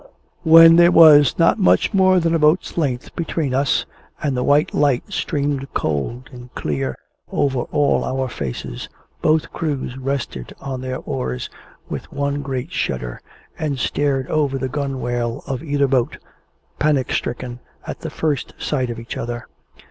When there was not much more than a boat's length between us, and the white light streamed cold and clear over all our faces, both crews rested on their oars with one great shudder, and stared over the gunwale of either boat, panic stricken at the first sight of each other.